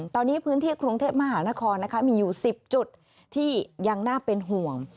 ตอนนี้พื้นที่กรุงเทพมหานครมีอยู่๑๐จุดที่ยังน่าเป็นห่วง